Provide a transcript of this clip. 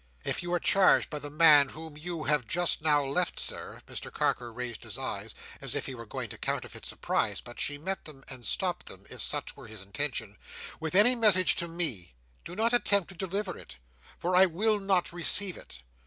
"If you are charged by the man whom you have just now left, Sir;" Mr Carker raised his eyes, as if he were going to counterfeit surprise, but she met them, and stopped him, if such were his intention; "with any message to me, do not attempt to deliver it, for I will not receive it.